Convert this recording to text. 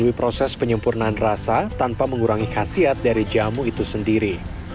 melalui proses penyempurnaan rasa tanpa mengurangi khasiat dari jamu itu sendiri